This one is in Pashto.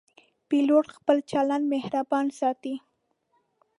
پیلوټ خپل چلند مهربان ساتي.